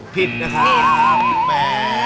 ผิดนะคะ